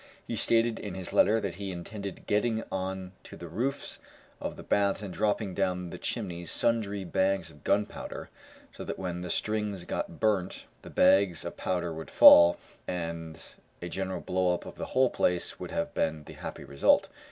He stated in his letter that he intended getting on to the roof of the baths and dropping down the chimneys sundry bags of gunpowder, so that when the strings got burnt the bags of powder would fall, and a general blow up of the whole place would have been the happy result.